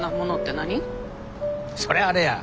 そりゃあれや！